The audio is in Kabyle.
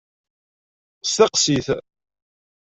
Steqsi-t.